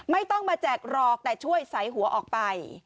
ไม่ต้องมาแจกหรอกแต่ช่วยใส่หัวออกไป